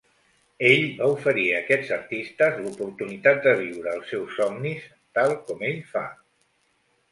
Ell va oferir a aquests artistes l'oportunitat de viure els seus somnis tal com ell fa.